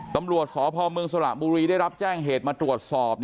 ตำรวจสพเมืองสระบุรีได้รับแจ้งเหตุมาตรวจสอบ